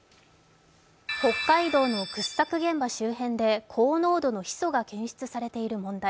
北海道の掘削現場周辺で高濃度のヒ素が検出されている問題。